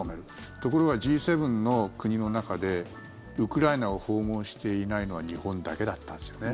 ところが、Ｇ７の国の中でウクライナを訪問していないのは日本だけだったんですよね。